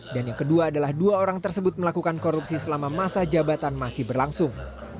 yang kedua adalah dua orang tersebut melakukan korupsi selama masa jabatan masih berlangsung